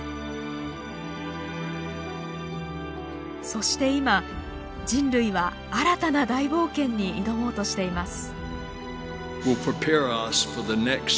そして今人類は新たな大冒険に挑もうとしています。